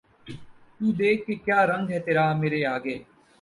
تو دیکھ کہ کیا رنگ ہے تیرا مرے آگے